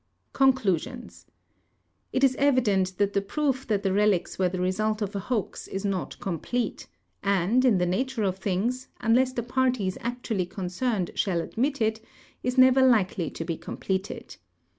Conclasiom. — It is evident that the ])roof that the relics Avere the result of a hoax is not complete, and. in the nature of things, unless the parties actually concerned shall admit it, is never likely to be com})leted.